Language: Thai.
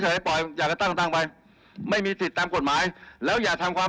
จะเข้าไปพูดล้มไม่ล้ม